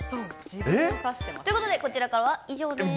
自分を指してますね。ということで、こちらからは以上です。